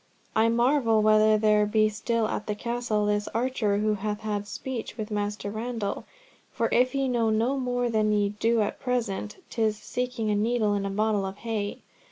"I marvel whether there be still at the Castle this archer who hath had speech with Master Randall, for if ye know no more than ye do at present, 'tis seeking a needle in a bottle of hay.